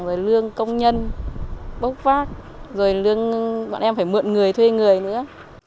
rồi lương công nhân bốc vác rồi bọn em phải mượn người thuê người nữa